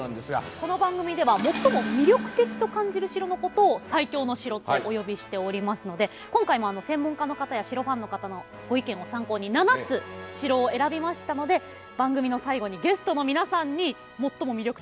この番組では最も魅力的と感じる城のことを「最強の城」とお呼びしておりますので今回も専門家の方や城ファンの方のご意見を参考に７つ城を選びましたので番組の最後にゲストの皆さんに最も魅力的な城